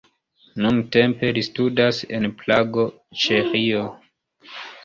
Nuntempe li studas en Prago, Ĉeĥio.